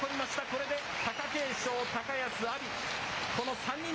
これで貴景勝、高安、阿炎。